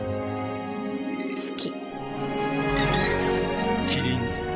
好き。